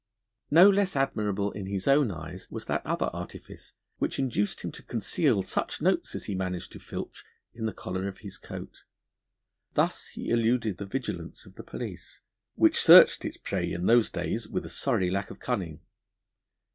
No less admirable in his own eyes was that other artifice which induced him to conceal such notes as he managed to filch in the collar of his coat. Thus he eluded the vigilance of the police, which searched its prey in those days with a sorry lack of cunning.